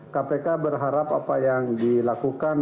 kpk berharap apa yang dilakukan